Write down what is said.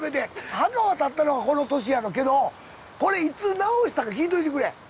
墓が建ったのはこの年やろうけどこれいつ直したか聞いといてくれ。